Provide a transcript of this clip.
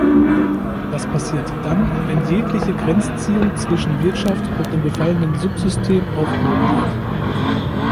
Das passiert dann, wenn jegliche Grenzziehung zwischen Wirtschaft und dem befallenen Subsystem aufgehoben wird.